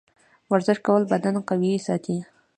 د ورزش کول بدن قوي ساتي.